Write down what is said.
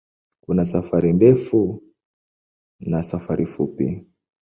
Kuna safari ndefu na safari fupi.